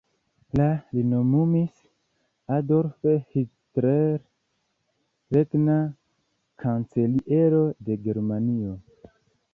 La li nomumis Adolf Hitler regna kanceliero de Germanio.